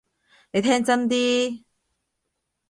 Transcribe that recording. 你聽真啲！